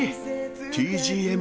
ＴＧＭ！